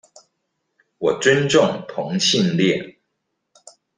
我尊重同性戀